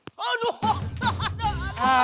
aduh aduh aduh